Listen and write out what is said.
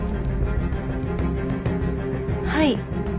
はい。